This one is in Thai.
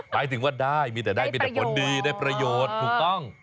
หมายถึงว่าได้มีแต่ได้มีแต่ผลดีได้ประโยชน์ถูกต้อง